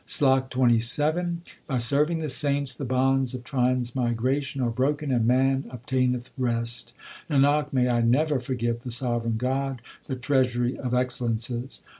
SLOK XXVII By serving the saints the bonds of transmigration are broken, and man obtaineth rest : Nanak, may I never forget the sovereign God, the treasury of excellences